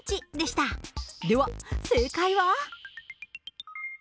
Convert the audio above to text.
では正解は？